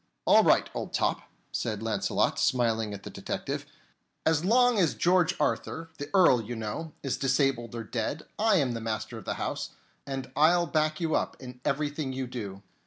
"All right, old top," said Launcelot, smiling at the detective. "As long as George Arthur, the Earl, you know, is disabled or dead, I am the master of the house, and I'll back you up in everything you do."